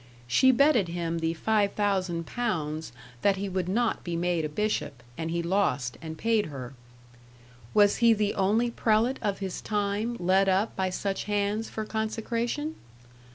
(She betted him the 5000 pounds that he would not be made a bishop, and he lost, and paid her.) Was he the only prelate of his time led up by such hands for consecration?